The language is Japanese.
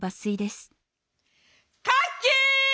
「カッキーン。